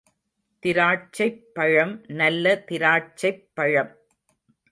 திராட்சைப் பழம்—நல்ல திராட்சைப் பழம்.